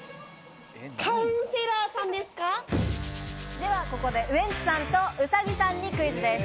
ではここで、ウエンツさんと兎さんにクイズです。